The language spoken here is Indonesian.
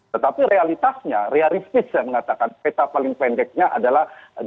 tetapi realitasnya realistisnya mengatakan peta paling pendeknya adalah